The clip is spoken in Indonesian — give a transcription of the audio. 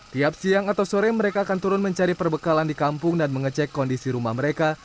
tiap siang atau sore mereka akan turun mencari perbekalan di kampung dan mengecek kondisi rumah mereka